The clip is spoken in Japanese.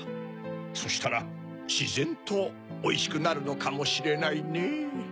そしたらしぜんとおいしくなるのかもしれないねぇ。